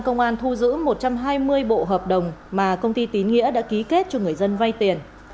công an thu giữ một trăm hai mươi bộ hợp đồng mà công ty tín nghĩa đã ký kết cho người dân vay tiền